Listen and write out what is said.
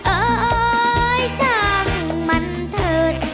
เอ้ยช่างมันเถิด